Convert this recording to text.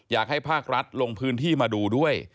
อยากให้ภาครัฐลงพื้นที่มาดูด้วย